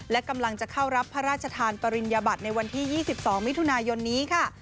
และกำลังจะเข้ารับพระราชทานปริญญบัติในวันที่๒๒มิถุนายนนี้ค่ะ